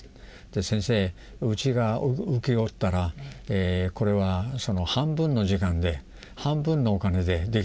「先生うちが請け負ったらこれは半分の時間で半分のお金でできます」と。